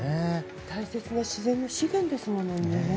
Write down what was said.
大切な自然の資源ですもんね。